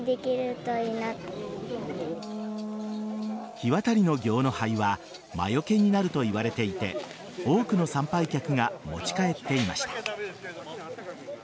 火渡りの行の灰は魔よけになるといわれていて多くの参拝客が持ち帰っていました。